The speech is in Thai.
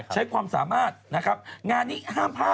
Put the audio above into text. จากกระแสของละครกรุเปสันนิวาสนะฮะ